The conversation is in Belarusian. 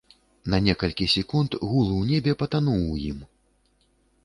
На некалькі секунд гул у небе патануў у ім.